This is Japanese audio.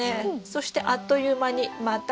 そしてあっという間にまた。